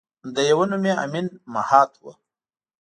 یوه نوم یې امین مهات وه.